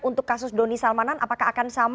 untuk kasus doni salmanan apakah akan sama